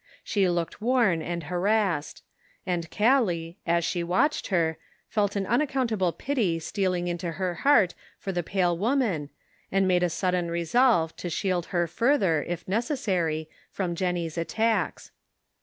She looked worn and harrassed ; and Gallic, as she watched her, felt an unaccount able pity stealing into her heart for the pale woman, and made a sudden resolve to shield her further, if necessary, from Jennie's attacks.